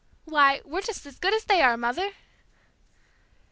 "Why, we're just as good as they are, Mother!"